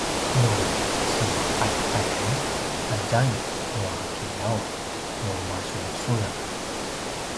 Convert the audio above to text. nu semaqaljaqaljay a zaing nua kiyaw nu masulesulem